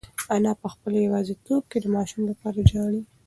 انا په خپله یوازیتوب کې د ماشوم لپاره ژاړي.